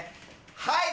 はい！